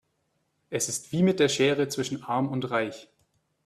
Es ist wie mit der Schere zwischen arm und reich.